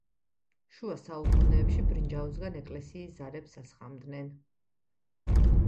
შუა საუკუნეებში ბრინჯაოსგან ეკლესიის ზარებს ასხამდნენ.